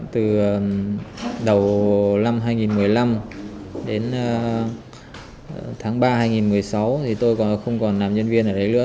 từ đầu năm hai nghìn một mươi năm đến tháng ba hai nghìn một mươi sáu thì tôi không còn làm nhân viên ở đấy nữa